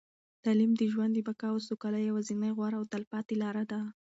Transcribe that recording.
تعلیم د ژوند د بقا او سوکالۍ یوازینۍ، غوره او تلپاتې لاره ده.